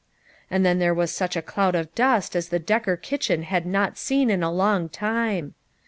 And then there was such a cloud of dust as the Decker kitchen had not seen in a long time.